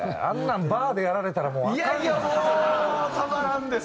あんなんバーでやられたらもうアカン。